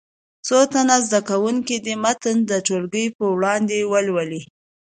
څو تنه زده کوونکي دې متن د ټولګي په وړاندې ولولي.